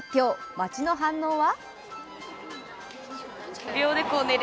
街の反応は？